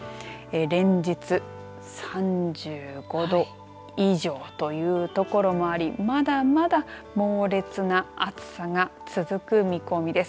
連日３５度以上というところもありまだまだ猛烈な暑さが続く見込みです。